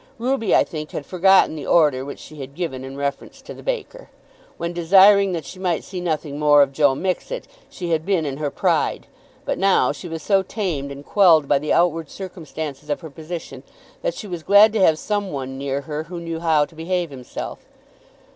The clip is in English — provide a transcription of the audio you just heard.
Ruby, I think, had forgotten the order which she had given in reference to the baker. When desiring that she might see nothing more of Joe Mixet, she had been in her pride; but now she was so tamed and quelled by the outward circumstances of her position, that she was glad to have some one near her who knew how to behave himself.